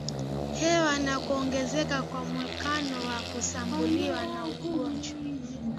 hewa na kuongezeka kwa uwezekano wa kushambuliwa na ugonjwa